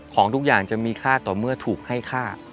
ของทุกอย่างจะมีค่าต่อเมื่อถูกให้ค่า